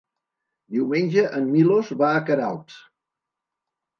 Diumenge en Milos va a Queralbs.